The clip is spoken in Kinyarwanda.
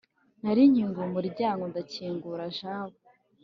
nakinguye umuryango ndakingura jabo